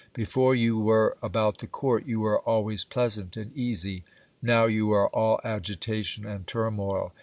Before you were about the court, you were always pleasant and easy. Now you are all agitation and turmoil.